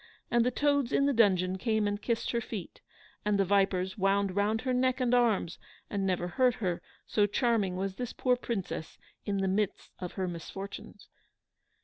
And the toads in the dungeon came and kissed her feet, and the vipers wound round her neck and arms, and never hurt her, so charming was this poor Princess in the midst of her misfortunes.